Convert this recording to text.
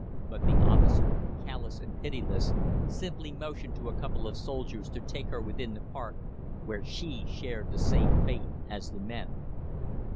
But the officer, callous and pitiless, simply motioned to a couple of soldiers to take her within the Park, where she shared the same fate as the men.